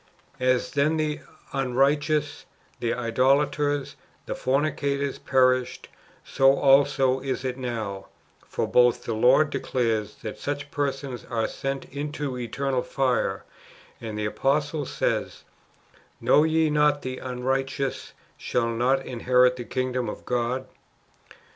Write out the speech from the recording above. "^ As then the unrighteous, the idolaters, and fornicators perished, so also is it now : for both the Lord declares, that such persons are sent into eternal fire ;'^ and the apostle says, " Know ye not that the unrighteous shall not inherit the kingdom of God